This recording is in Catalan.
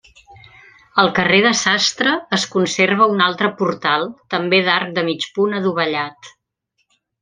Al carrer de Sastre es conserva un altre portal, també d'arc de mig punt adovellat.